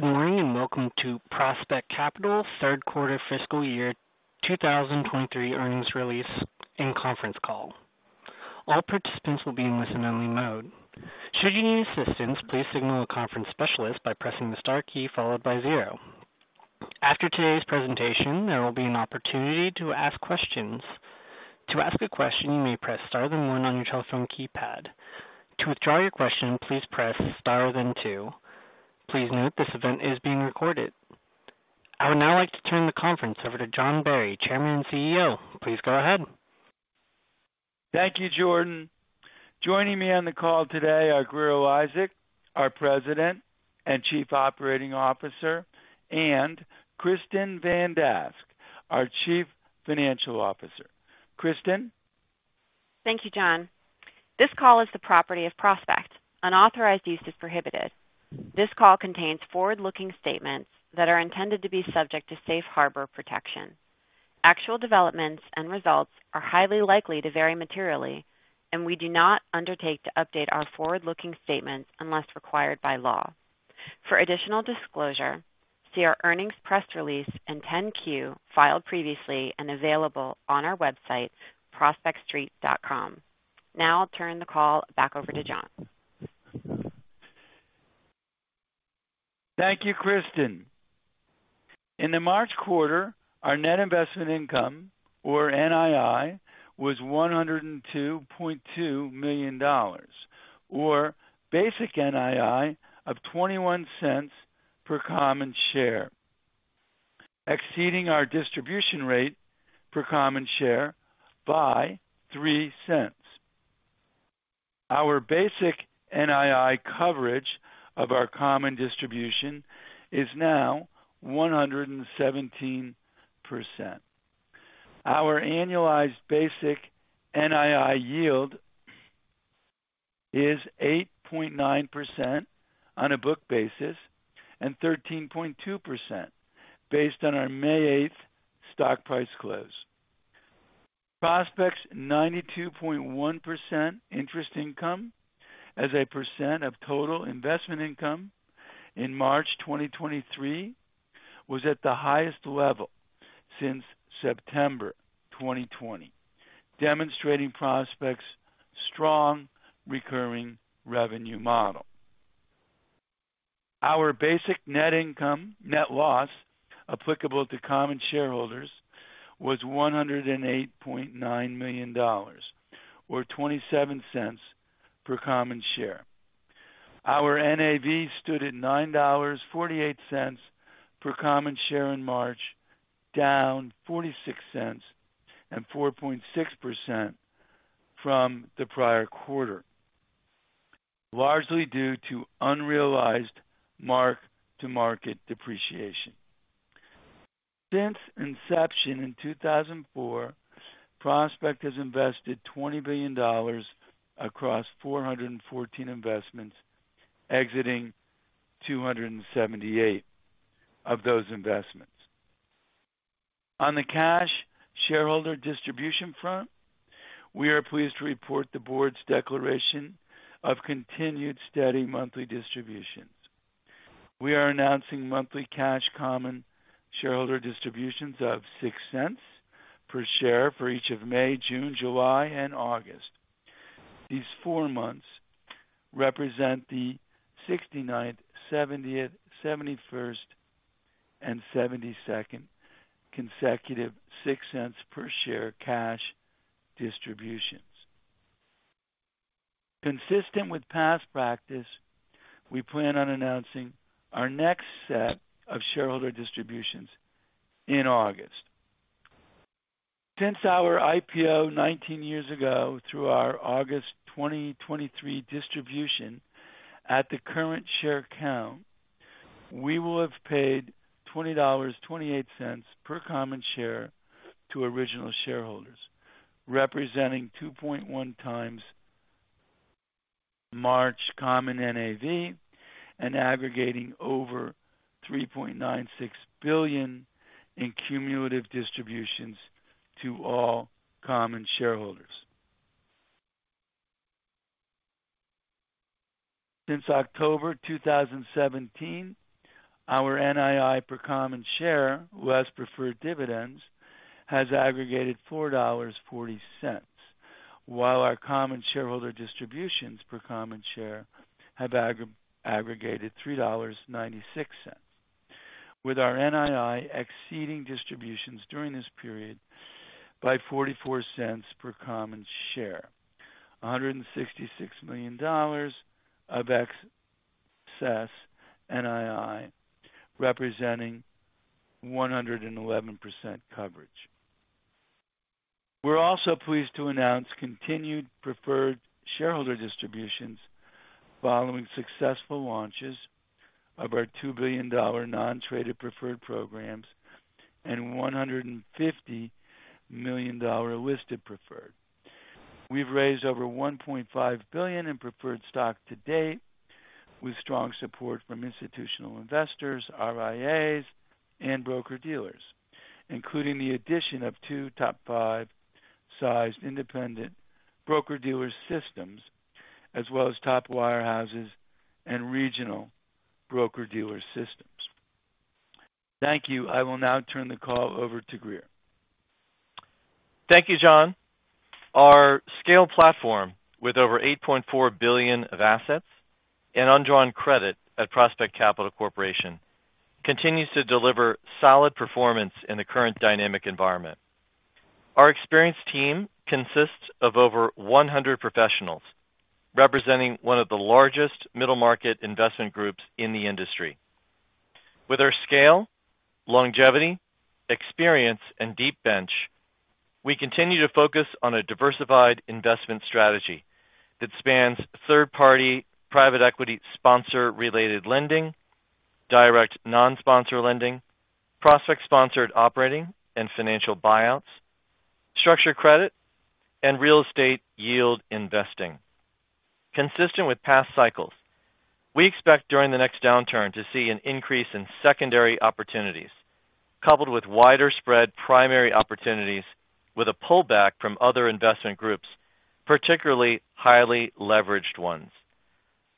Good morning, and welcome to Prospect Capital Q3 fiscal year 2023 earnings release and conference call. All participants will be in listen-only mode. Should you need assistance, please signal a conference specialist by pressing the Star key followed by 0. After today's presentation, there will be an opportunity to ask questions. To ask a question, you may press Star then one on your telephone keypad. To withdraw your question, please press Star then two. Please note this event is being recorded. I would now like to turn the conference over to John Barry, Chairman and CEO. Please go ahead. Thank you, Jordan. Joining me on the call today are Grier Eliasek, our President and Chief Operating Officer, and Kristin Van Dask, our Chief Financial Officer. Kristin. Thank you, John. This call is the property of Prospect. Unauthorized use is prohibited. This call contains forward-looking statements that are intended to be subject to safe harbor protection. Actual developments and results are highly likely to vary materially, and we do not undertake to update our forward-looking statements unless required by law. For additional disclosure, see our earnings press release and 10-Q filed previously and available on our website prospectstreet.com. Now I'll turn the call back over to John. Thank you, Kristin. In the March quarter, our net investment income, or NII, was $102.2 million, or basic NII of $0.21 per common share, exceeding our distribution rate per common share by $0.03. Our basic NII coverage of our common distribution is now 117%. Our annualized basic NII yield is 8.9% on a book basis and 13.2% based on our May 8th stock price close. Prospect's 92.1% interest income as a percent of total investment income in March 2023 was at the highest level since September 2020, demonstrating Prospect's strong recurring revenue model. Our basic net income net loss applicable to common shareholders was $108.9 million, or $0.27 per common share. Our NAV stood at $9.48 per common share in March, down $0.46 and 4.6% from the prior quarter, largely due to unrealized mark-to-market depreciation. Since inception in 2004, Prospect has invested $20 billion across 414 investments, exiting 278 of those investments. On the cash shareholder distribution front, we are pleased to report the board's declaration of continued steady monthly distributions. We are announcing monthly cash common shareholder distributions of $0.06 per share for each of May, June, July, and August. These four months represent the 69th, 70th, 71st, and 72nd consecutive $0.06 per share cash distributions. Consistent with past practice, we plan on announcing our next set of shareholder distributions in August. Since our IPO 19 years ago through our August 2023 distribution at the current share count, we will have paid $20.28 per common share to original shareholders, representing 2.1x March common NAV and aggregating over $3.96 billion in cumulative distributions to all common shareholders. Since October 2017, our NII per common share, less preferred dividends, has aggregated $4.40, while our common shareholder distributions per common share have aggregated $3.96, with our NII exceeding distributions during this period by $0.44 per common share. $166 million of excess NII, representing 111% coverage. We're also pleased to announce continued preferred shareholder distributions following successful launches of our $2 billion non-traded preferred programs and $150 million listed preferred. We've raised over $1.5 billion in preferred stock to date with strong support from institutional investors, RIAs, and broker-dealers, including the addition of two top fivesized independent broker-dealer systems, as well as top wirehouses and regional broker-dealer systems. Thank you. I will now turn the call over to Grier. Thank you, John. Our scale platform with over $8.4 billion of assets and undrawn credit at Prospect Capital Corporation continues to deliver solid performance in the current dynamic environment. Our experienced team consists of over 100 professionals, representing one of the largest middle market investment groups in the industry. With our scale, longevity, experience, and deep bench, we continue to focus on a diversified investment strategy that spans third-party private equity sponsor-related lending, direct non-sponsor lending, Prospect-sponsored operating and financial buyouts, structured credit, and real estate yield investing. Consistent with past cycles, we expect during the next downturn to see an increase in secondary opportunities coupled with wider spread primary opportunities with a pullback from other investment groups, particularly highly leveraged ones.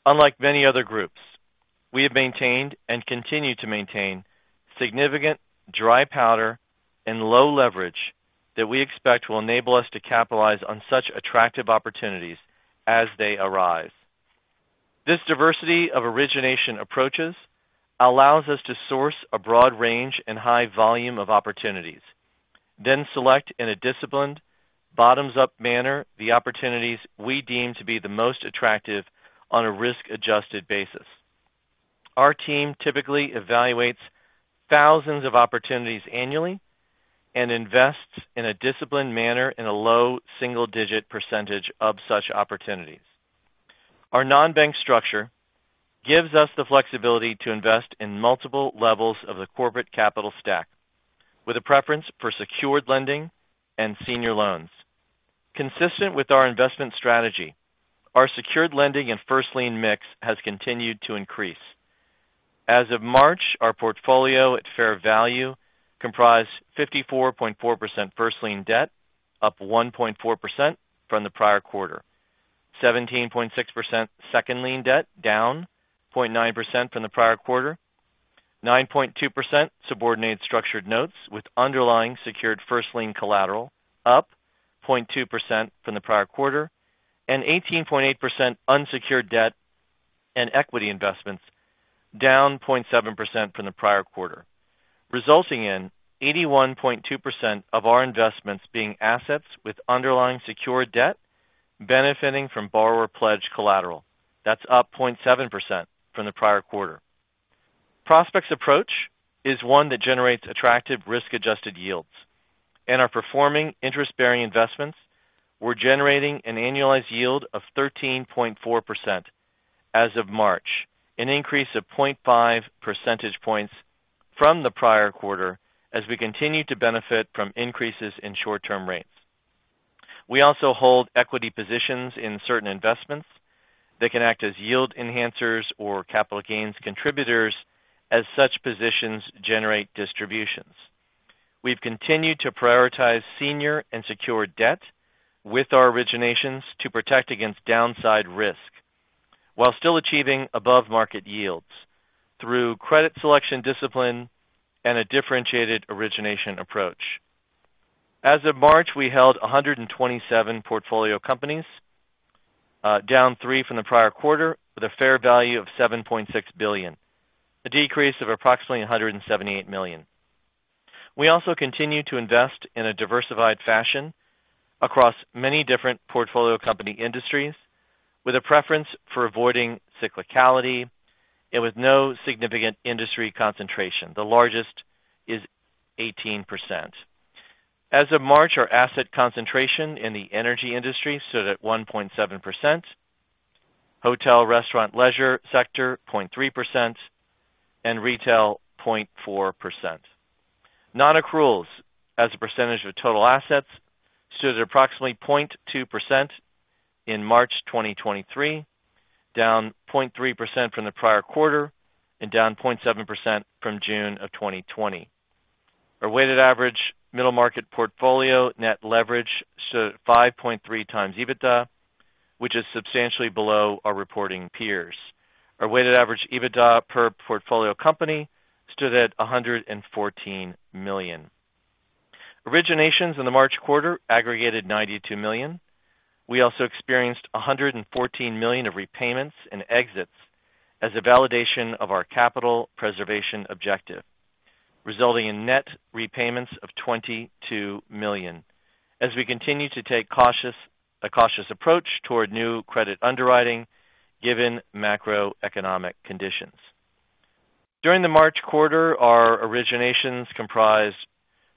Unlike many other groups, we have maintained and continue to maintain significant dry powder and low leverage that we expect will enable us to capitalize on such attractive opportunities as they arise. This diversity of origination approaches allows us to source a broad range and high volume of opportunities, then select in a disciplined bottoms-up manner the opportunities we deem to be the most attractive on a risk-adjusted basis. Our team typically evaluates thousands of opportunities annually and invests in a disciplined manner in a low single-digit % of such opportunities. Our non-bank structure gives us the flexibility to invest in multiple levels of the corporate capital stack with a preference for secured lending and senior loans. Consistent with our investment strategy, our secured lending and first lien mix has continued to increase. As of March, our portfolio at fair value comprised 54.4% first lien debt, up 1.4% from the prior quarter. 17.6% second lien debt, down 0.9% from the prior quarter. 9.2% subordinated structured notes with underlying secured first lien collateral, up 0.2% from the prior quarter. 18.8% unsecured debt and equity investments, down 0.7% from the prior quarter, resulting in 81.2% of our investments being assets with underlying secured debt benefiting from borrower pledge collateral. That's up 0.7% from the prior quarter. Prospect's approach is one that generates attractive risk-adjusted yields. In our performing interest-bearing investments, we're generating an annualized yield of 13.4% as of March, an increase of 0.5 percentage points from the prior quarter as we continue to benefit from increases in short-term rates. We also hold equity positions in certain investments that can act as yield enhancers or capital gains contributors as such positions generate distributions. We've continued to prioritize senior and secured debt with our originations to protect against downside risk while still achieving above-market yields through credit selection discipline and a differentiated origination approach. As of March, we held 127 portfolio companies, down three from the prior quarter, with a fair value of $7.6 billion, a decrease of approximately $178 million. We also continue to invest in a diversified fashion across many different portfolio company industries with a preference for avoiding cyclicality and with no significant industry concentration. The largest is 18%. As of March, our asset concentration in the energy industry stood at 1.7%. Hotel, restaurant, leisure sector, 0.3%, and retail, 0.4%. Non-accruals as a percentage of total assets stood at approximately 0.2% in March 2023, down 0.3% from the prior quarter and down 0.7% from June of 2020. Our weighted average middle market portfolio net leverage stood at 5.3x EBITDA, which is substantially below our reporting peers. Our weighted average EBITDA per portfolio company stood at $114 million. Originations in the March quarter aggregated $92 million. We also experienced $114 million of repayments and exits as a validation of our capital preservation objective, resulting in net repayments of $22 million as we continue to take a cautious approach toward new credit underwriting given macroeconomic conditions. During the March quarter, our originations comprised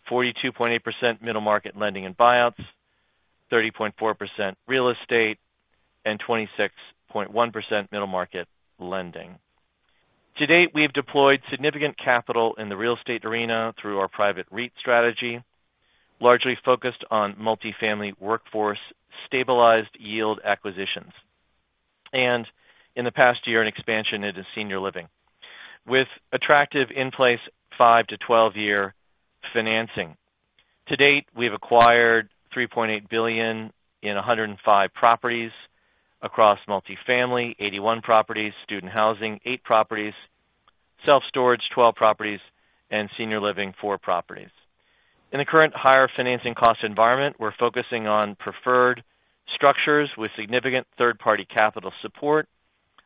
42.8% middle market lending and buyouts, 30.4% real estate, and 26.1% middle market lending. To date, we have deployed significant capital in the real estate arena through our private REIT strategy, largely focused on multifamily workforce stabilized yield acquisitions. In the past year, an expansion into senior living with attractive in-place 5-12-year financing. To date, we've acquired $3.8 billion in 105 properties across multifamily, 81 properties, student housing, eight properties, self-storage, 12 properties, and senior living, four properties. In the current higher financing cost environment, we're focusing on preferred structures with significant third-party capital support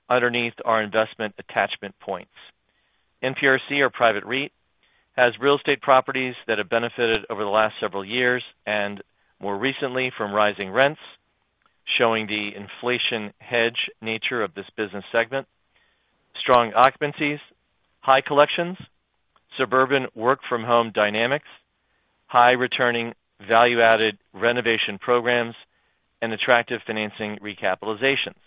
underneath our investment attachment points. NPRC or private REIT has real estate properties that have benefited over the last several years and more recently from rising rents, showing the inflation hedge nature of this business segment. Strong occupancies, high collections, suburban work-from-home dynamics, high returning value-added renovation programs, and attractive financing recapitalizations,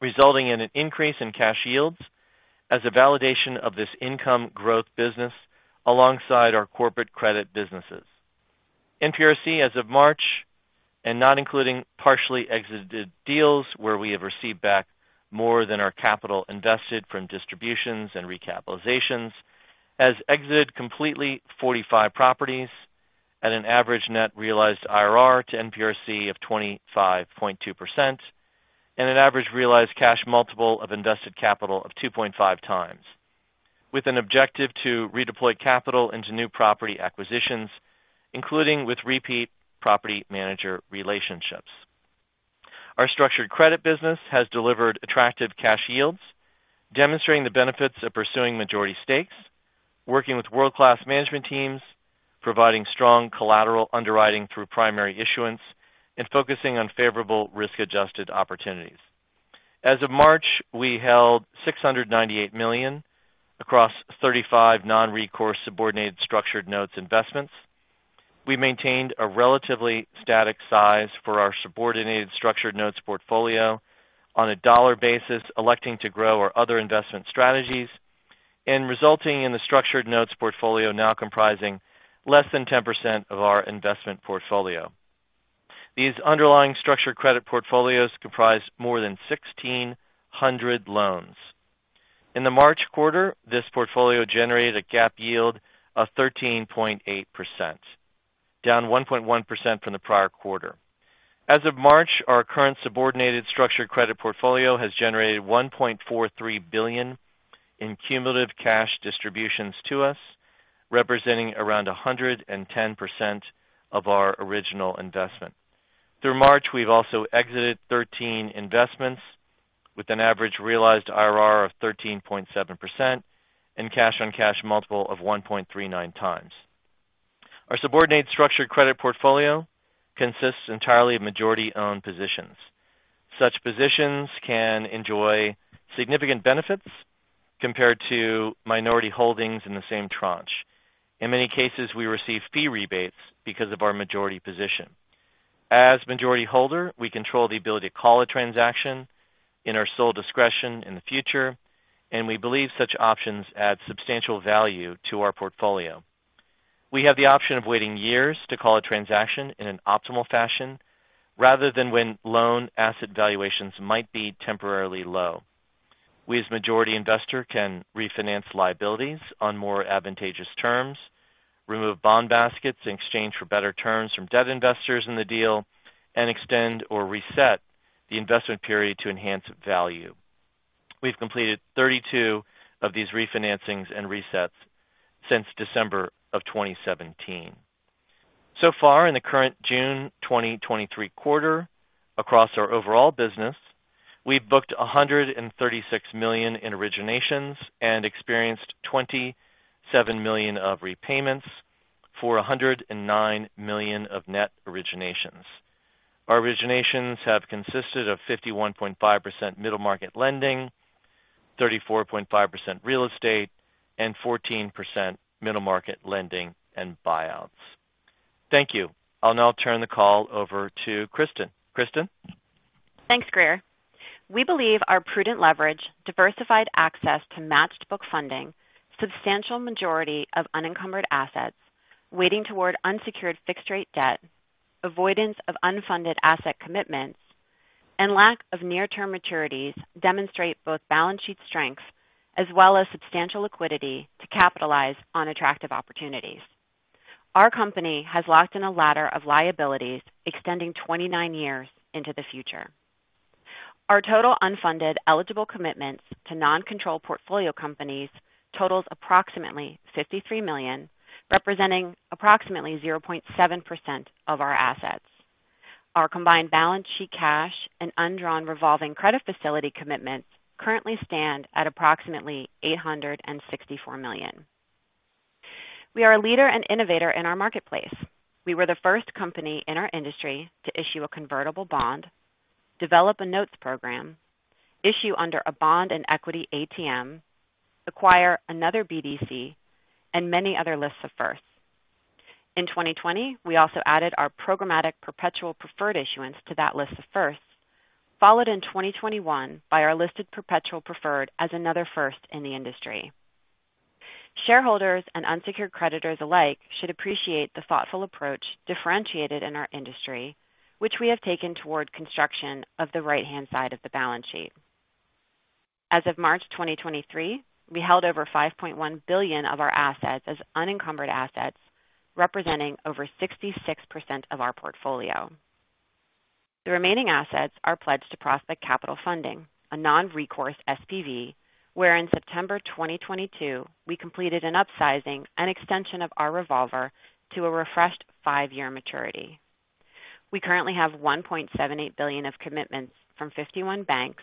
resulting in an increase in cash yields as a validation of this income growth business alongside our corporate credit businesses. NPRC, as of March, and not including partially exited deals where we have received back more than our capital invested from distributions and recapitalizations, has exited completely 45 properties at an average net realized IRR to NPRC of 25.2% and an average realized cash multiple of invested capital of 2.5x, with an objective to redeploy capital into new property acquisitions, including with repeat property manager relationships. Our structured credit business has delivered attractive cash yields, demonstrating the benefits of pursuing majority stakes, working with world-class management teams, providing strong collateral underwriting through primary issuance, and focusing on favorable risk-adjusted opportunities. As of March, we held $698 million across 35 non-recourse subordinated structured notes investments. We maintained a relatively static size for our subordinated structured notes portfolio on a dollar basis, electing to grow our other investment strategies and resulting in the structured notes portfolio now comprising less than 10% of our investment portfolio. These underlying structured credit portfolios comprise more than 1,600 loans. In the March quarter, this portfolio generated a GAAP yield of 13.8%, down 1.1% from the prior quarter. As of March, our current subordinated structured credit portfolio has generated $1.43 billion in cumulative cash distributions to us, representing around 110% of our original investment. Through March, we've also exited 13 investments with an average realized IRR of 13.7% and cash-on-cash multiple of 1.39x. Our subordinate structured credit portfolio consists entirely of majority-owned positions. Such positions can enjoy significant benefits compared to minority holdings in the same tranche. In many cases, we receive fee rebates because of our majority position. As majority holder, we control the ability to call a transaction in our sole discretion in the future, and we believe such options add substantial value to our portfolio. We have the option of waiting years to call a transaction in an optimal fashion rather than when loan asset valuations might be temporarily low. We, as majority investor, can refinance liabilities on more advantageous terms, remove bond baskets in exchange for better terms from debt investors in the deal, and extend or reset the investment period to enhance value. We've completed 32 of these refinancings and resets since December of 2017. Far in the current June 2023 quarter across our overall business, we've booked $136 million in originations and experienced $27 million of repayments for $109 million of net originations. Our originations have consisted of 51.5% middle market lending, 34.5% real estate, and 14% middle market lending and buyouts. Thank you. I'll now turn the call over to Kristin. Kristin. Thanks, Grier. We believe our prudent leverage, diversified access to matched book funding, substantial majority of unencumbered assets, weighting toward unsecured fixed-rate debt, avoidance of unfunded asset commitments, and lack of near-term maturities demonstrate both balance sheet strengths as well as substantial liquidity to capitalize on attractive opportunities. Our company has locked in a ladder of liabilities extending 29 years into the future. Our total unfunded eligible commitments to non-control portfolio companies totals approximately $53 million, representing approximately 0.7% of our assets. Our combined balance sheet cash and undrawn revolving credit facility commitments currently stand at approximately $864 million. We are a leader and innovator in our marketplace. We were the first company in our industry to issue a convertible bond, develop a notes program, issue under a bond and equity ATM, acquire another BDC, and many other lists of firsts. In 2020, we also added our programmatic perpetual preferred issuance to that list of firsts, followed in 2021 by our listed perpetual preferred as another first in the industry. Shareholders and unsecured creditors alike should appreciate the thoughtful approach differentiated in our industry, which we have taken toward construction of the right-hand side of the balance sheet. As of March 2023, we held over $5.1 billion of our assets as unencumbered assets, representing over 66% of our portfolio. The remaining assets are pledged to Prospect Capital Funding, a non-recourse SPV, where in September 2022, we completed an upsizing and extension of our revolver to a refreshed five-year maturity. We currently have $1.78 billion of commitments from 51 banks,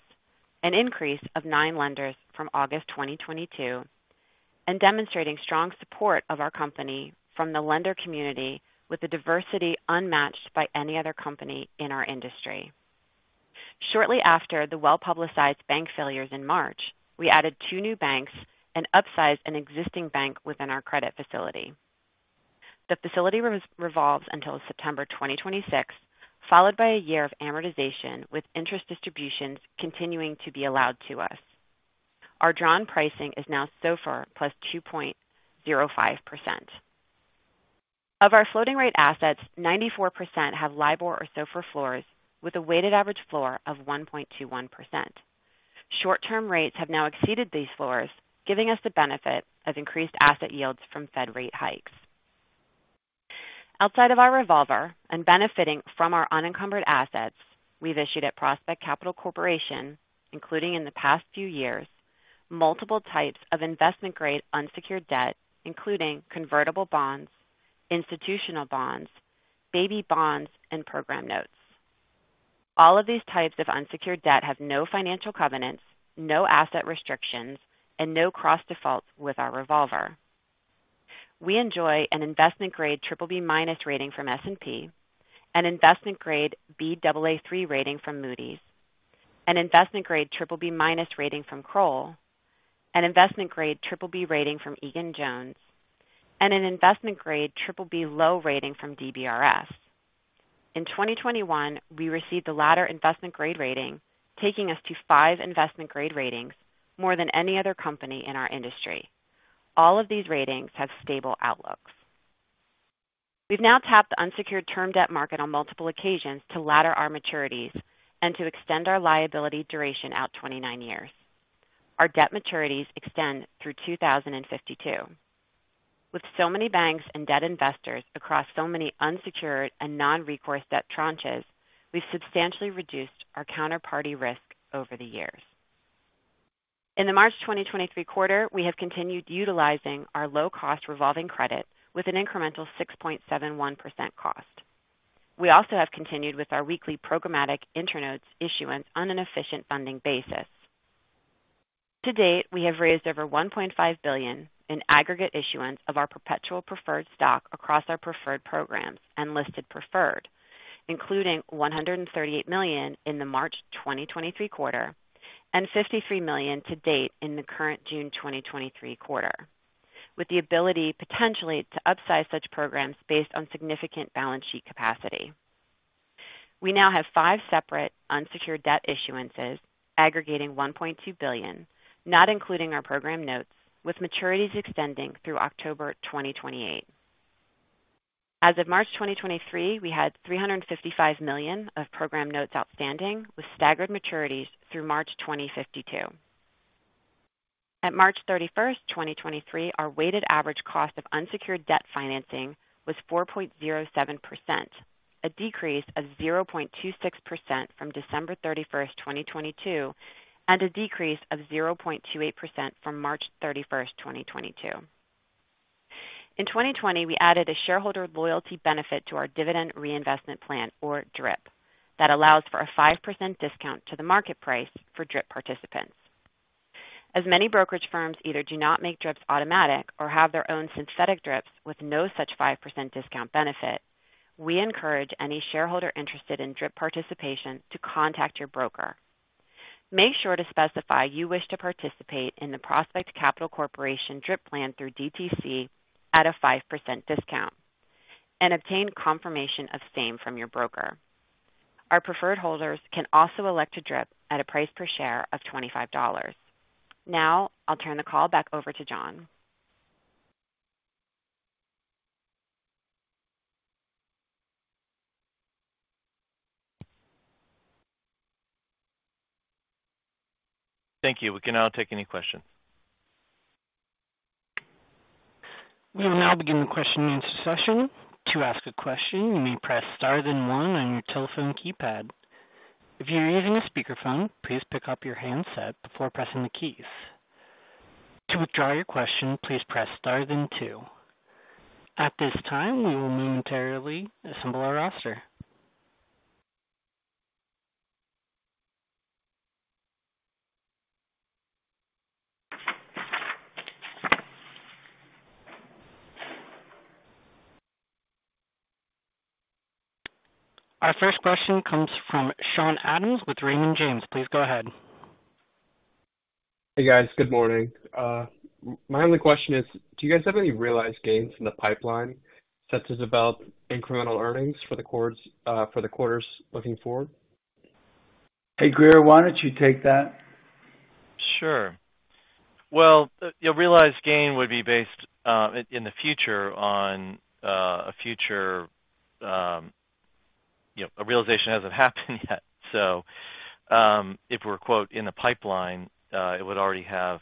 an increase of nine lenders from August 2022, demonstrating strong support of our company from the lender community with a diversity unmatched by any other company in our industry. Shortly after the well-publicized bank failures in March, we added two new banks and upsized an existing bank within our credit facility. The facility revolves until September 2026, followed by a year of amortization with interest distributions continuing to be allowed to us. Our drawn pricing is now SOFR plus 2.05%. Of our floating rate assets, 94% have LIBOR or SOFR floors with a weighted average floor of 1.21%. Short-term rates have now exceeded these floors, giving us the benefit of increased asset yields from Fed rate hikes. Outside of our revolver and benefiting from our unencumbered assets, we've issued at Prospect Capital Corporation, including in the past few years, multiple types of investment-grade unsecured debt, including convertible bonds, institutional bonds, baby bonds, and program notes. All of these types of unsecured debt have no financial covenants, no asset restrictions, and no cross defaults with our revolver. We enjoy an investment grade BBB- rating from S&P, an investment grade Baa3 rating from Moody's, an investment grade triple B minus rating from Kroll, an investment grade triple B rating from Egan-Jones, and an investment grade BBB (low) rating from DBRS. In 2021, we received the latter investment grade rating, taking us to 5 investment grade ratings, more than any other company in our industry. All of these ratings have stable outlooks. We've now tapped the unsecured term debt market on multiple occasions to ladder our maturities and to extend our liability duration out 29 years. Our debt maturities extend through 2052. With so many banks and debt investors across so many unsecured and non-recourse debt tranches, we've substantially reduced our counterparty risk over the years. In the March 2023 quarter, we have continued utilizing our low-cost revolving credit with an incremental 6.71% cost. We also have continued with our weekly programmatic notes issuance on an efficient funding basis. To date, we have raised over $1.5 billion in aggregate issuance of our perpetual preferred stock across our preferred programs and listed preferred, including $138 million in the March 2023 quarter and $53 million to date in the current June 2023 quarter, with the ability potentially to upsize such programs based on significant balance sheet capacity. We now have five separate unsecured debt issuances aggregating $1.2 billion, not including our program notes, with maturities extending through October 2028. As of March 2023, we had $355 million of program notes outstanding, with staggered maturities through March 2052. At March 31, 2023, our weighted average cost of unsecured debt financing was 4.07%, a decrease of 0.26% from December 31, 2022, and a decrease of 0.28% from March 31, 2022. In 2020, we added a shareholder loyalty benefit to our dividend reinvestment plan or DRIP that allows for a 5% discount to the market price for DRIP participants. As many brokerage firms either do not make DRIPs automatic or have their own synthetic DRIPs with no such 5% discount benefit, we encourage any shareholder interested in DRIP participation to contact your broker. Make sure to specify you wish to participate in the Prospect Capital Corporation DRIP plan through DTC at a 5% discount and obtain confirmation of same from your broker. Our preferred holders can also elect a DRIP at a price per share of $25. Now I'll turn the call back over to John. Thank you. We can now take any questions. We will now begin the Q&A session. To ask a question, you may press star then one on your telephone keypad. If you're using a speakerphone, please pick up your handset before pressing the keys. To withdraw your question, please press star then two. At this time, we will momentarily assemble our roster. Our first question comes from Sean-Paul Adams with Raymond James. Please go ahead. Hey, guys. Good morning. My only question is, do you guys have any realized gains in the pipeline set to develop incremental earnings for the quarters looking forward? Hey, Grier, why don't you take that? Sure. You'll realize gain would be based in the future on a future, you know, a realization hasn't happened yet. If we're quote, "In the pipeline," it would already have,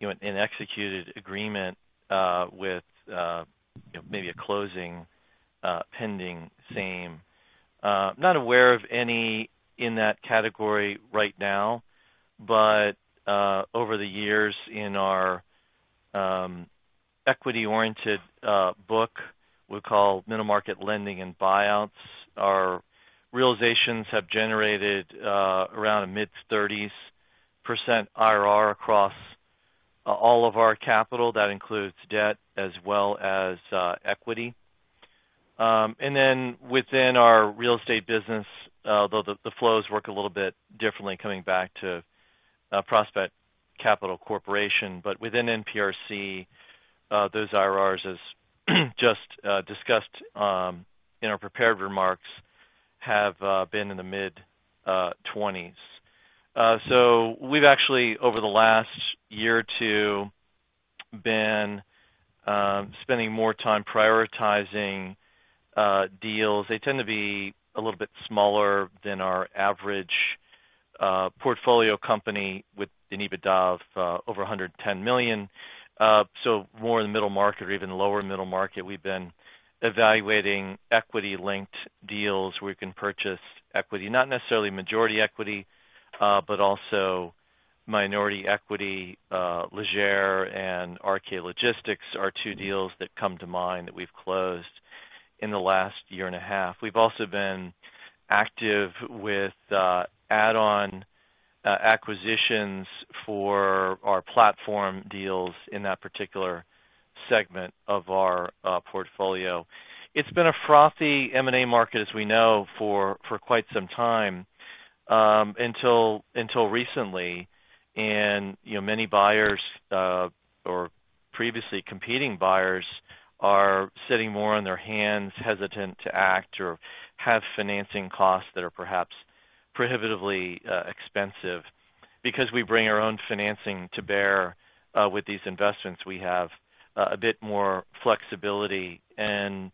you know, an executed agreement with, you know, maybe a closing pending same. Not aware of any in that category right now, but over the years in our equity-oriented book, we call middle market lending and buyouts, our realizations have generated around a mid-thirties % IRR across all of our capital. That includes debt as well as equity. Within our real estate business, though the flows work a little bit differently coming back to Prospect Capital Corporation. Within NPRC, those IRRs, as just discussed, in our prepared remarks, have been in the mid twenties. We've actually, over the last year or two, been spending more time prioritizing deals. They tend to be a little bit smaller than our average portfolio company with an EBITDA of over $110 million. More in the middle market or even lower middle market. We've been evaluating equity-linked deals where we can purchase equity, not necessarily majority equity, but also minority equity. Legere and RK Logistics are two deals that come to mind that we've closed in the last year and a half. We've also been active with add-on acquisitions for our platform deals in that particular segment of our portfolio. It's been a frothy M&A market, as we know, for quite some time, until recently. You know, many buyers, or previously competing buyers are sitting more on their hands, hesitant to act or have financing costs that are perhaps prohibitively expensive. Because we bring our own financing to bear, with these investments, we have a bit more flexibility. In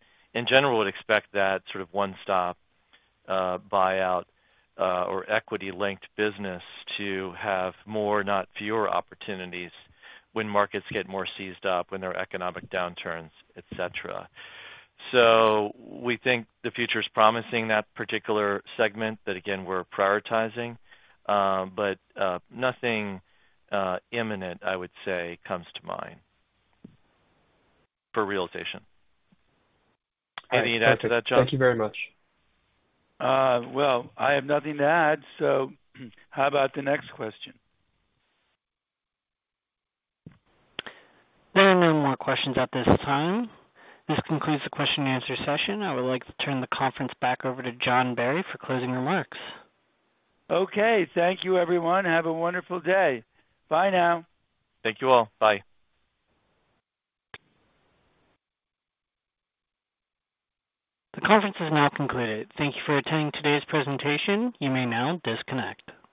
general, would expect that sort of one-stop buyout or equity-linked business to have more, not fewer opportunities when markets get more seized up, when there are economic downturns, et cetera. We think the future's promising in that particular segment that, again, we're prioritizing. Nothing imminent, I would say, comes to mind for realization. Anything to add to that, John? Thank you very much. well, I have nothing to add, How about the next question? There are no more questions at this time. This concludes the question and answer session. I would like to turn the conference back over to John Barry for closing remarks. Okay. Thank you everyone. Have a wonderful day. Bye now. Thank you all. Bye. The conference is now concluded. Thank you for attending today's presentation. You may now disconnect.